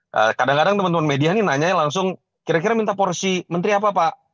nah kadang kadang teman teman media nih nanya langsung kira kira minta porsi menteri apa pak